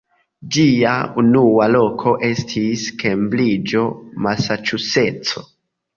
Ĝia unua loko estis Kembriĝo, Masaĉuseco.